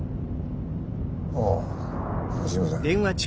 ああすいません。